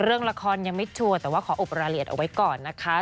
เรื่องละครยังไม่ชัวร์แต่ว่าขออบรายละเอียดเอาไว้ก่อนนะคะ